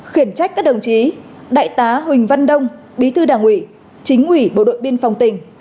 khiển trách các đồng chí đại tá huỳnh văn đông bí thư đảng ủy chính ủy bộ đội biên phòng tỉnh